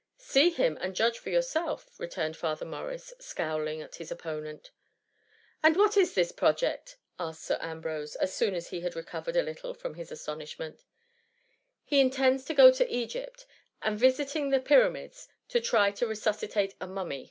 " See him, and judge for yourself,'' re« turned Father Morris, scowling at his opponent. *^ And what is this project ?" asked Sir Am brose, as soon as he had recovered a little from his astonishment, He intends to go to Egypt, and visiting the Pyramids, to try to resuscitate a mummy